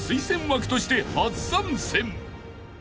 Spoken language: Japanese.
［として初参戦］